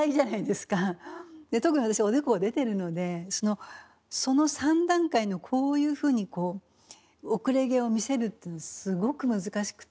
で特に私おでこが出てるのでその３段階のこういうふうにこう後れ毛を見せるってすごく難しくて。